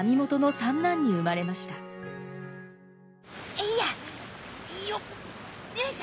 えいやよっよいしょ。